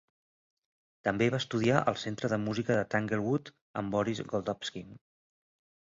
També va estudiar al Centre de Música de Tanglewood amb Boris Goldovsky.